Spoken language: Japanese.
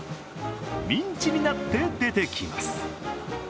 ミンチになって出てきます。